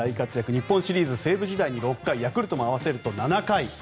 日本シリーズ西武時代に４回ヤクルトも合わせると７回。